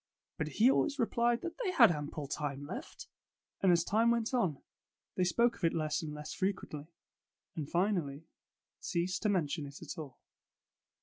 But he always replied that they had ample time left. And as time went on, they spoke of it less and less frequently, and finally ceased to mention it at all.